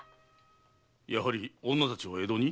やはり女たちは江戸に？